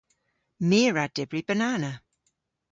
My a wra dybri banana.